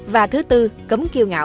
và thứ tư cấm kiêu ngạo